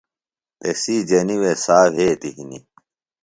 تسی جنیۡ وے سا وھیتیۡ ہنیۡ